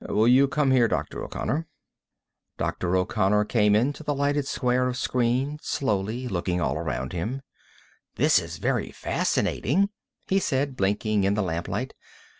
Will you come here, Dr. O'Connor?" Dr. O'Connor came into the lighted square of screen slowly, looking all around him. "This is very fascinating," he said, blinking in the lamplight.